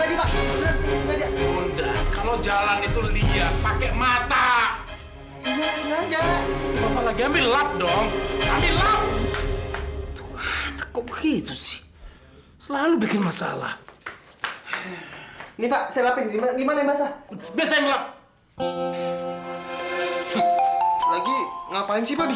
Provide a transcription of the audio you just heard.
ini dia yang aku cari cari